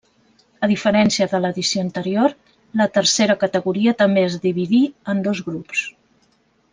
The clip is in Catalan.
A diferència de l'edició anterior, la tercera categoria també es dividí en dos grups.